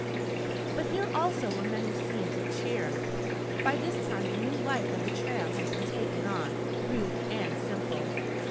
But here also were many scenes of cheer. By this time the new life of the trail had been taken on, rude and simple.